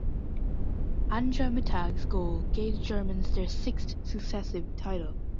Anja Mittag's goal gave the Germans their sixth successive title.